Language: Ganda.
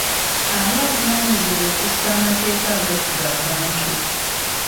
Ani avunaanyizibwa okussa amateeka agafuga abantu?